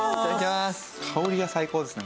香りが最高ですね